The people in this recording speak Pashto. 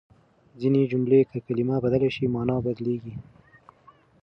ځينې جملې که کلمه بدله شي، مانا بدلېږي.